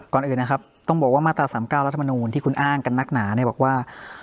ก่อนอื่นนะครับต้องบอกว่ามาตรา๓๙รัฐมนูลที่คุณอ้างกันนักหนาเนี่ยบอกว่า